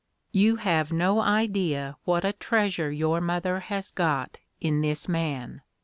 "You have no idea what a treasure your mother has got in this man.